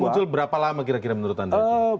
muncul berapa lama kira kira menurut anda